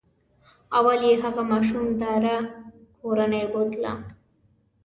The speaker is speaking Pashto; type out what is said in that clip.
اول یې هغه ماشوم داره کورنۍ بوتله.